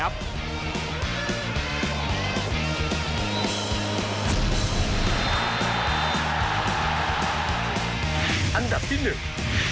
อันดับที่หนึ่ง